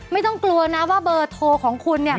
ไม่ต้องกลัวนะว่าเบอร์โทรของคุณเนี่ย